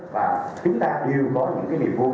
và chúng ta đều có những cái niềm vui